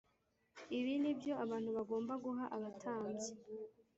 ibi ni byo abantu bagomba guha abatambyi